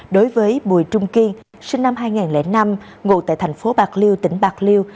đối với bùi trung kiên sinh năm hai nghìn năm ngụ tại thành phố bạc liêu tỉnh bạc liêu